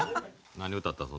何歌ったの？